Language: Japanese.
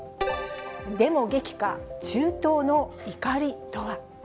デモ激化、中東の怒りとは？